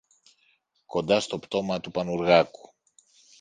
κοντά στο πτώμα του Πανουργάκου.